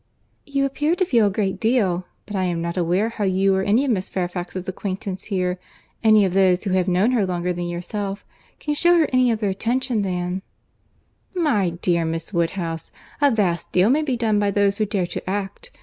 "You appear to feel a great deal—but I am not aware how you or any of Miss Fairfax's acquaintance here, any of those who have known her longer than yourself, can shew her any other attention than"— "My dear Miss Woodhouse, a vast deal may be done by those who dare to act.